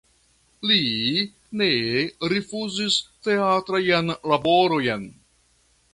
Li ne rifuzis teatrajn laborojn.